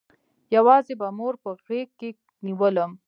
يوازې به مور په غېږ کښې نېولم.